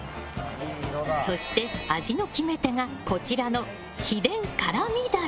そして、味の決め手がこちらの秘伝辛味ダレ。